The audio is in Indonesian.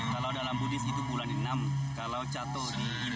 kalau dalam buddhis itu bulan enam kalau catur di international bulan ini